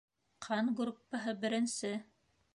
Ҡан группаһы - беренсе.